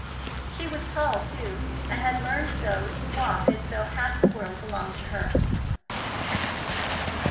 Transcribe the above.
She was tall, too, and had learned so to walk as though half the world belonged to her.